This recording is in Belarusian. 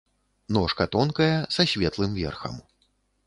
Ножка тонкая, са светлым верхам.